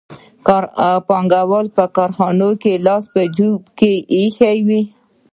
پانګوال په کارخانه کې لاس په جېب کې ایښی وي